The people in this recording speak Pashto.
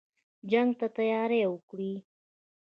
جنګ ته تیاری وکړی.